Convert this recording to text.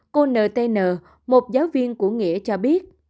cô ntn một giáo viên của nghĩa cho biết